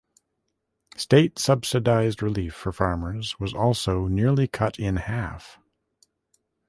State subsidized relief for farmers was also nearly cut in half.